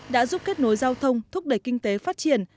đã giúp kết nối giao thông thúc đẩy kinh tế phát triển